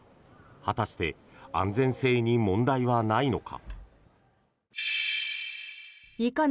果たして安全性に問題はないのか。